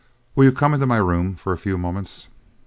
Will you come into my room for a few moments?"